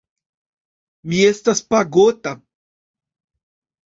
Mi estas pagota.